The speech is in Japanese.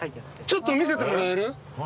ちょっと見せてもらえる？